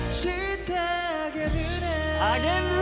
あげるね。